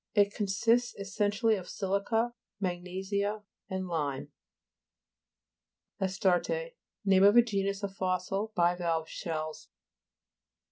It consists essentially of si'lica, mag nesia and lime. AST A' RTF/ Name of a genus of fos sil bivalve shells.